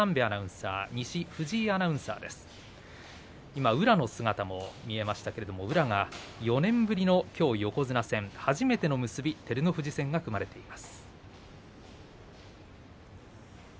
今、宇良の姿も見えましたけれども宇良が４年ぶりの横綱戦初めての結び照ノ富士戦が組まれています。